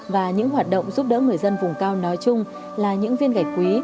và những hoạt động giúp đỡ người dân vùng cao nói chung là những viên gạch quý